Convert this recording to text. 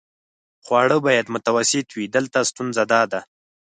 خواړه باید متوسط وي، دلته ستونزه داده.